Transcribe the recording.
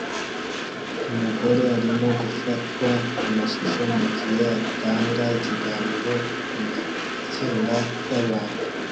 umugore arimo gufatwa amashusho mugihe atanga ikiganiro kumatsinda yabantu